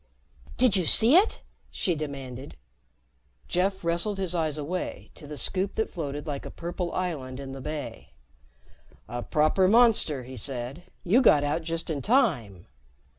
"Did you see it?" she demanded. Jeff wrestled his eyes away to the Scoop that floated like a purple island in the bay. "A proper monster," he said. "You got out just in time."